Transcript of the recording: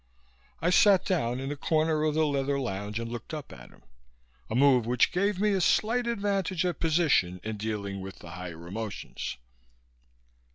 I sat down in the corner of the leather lounge and looked up at him a move which gave me a slight advantage of position in dealing with the higher emotions.